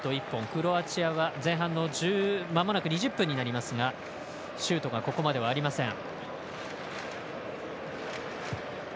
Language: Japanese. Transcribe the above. クロアチアは前半のまもなく２０分になりますがシュートはここまではありません。